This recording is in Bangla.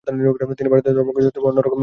তিনি ভারতীয় ধর্মগুরুদের থেকে অন্যরকম ছিলেন।